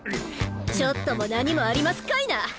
ちょっとも何もありますかいな！